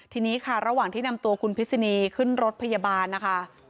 ทีนี้ค่ะระหว่างที่นำตัวคุณพิษณีขึ้นรถพยาบาลนะคะ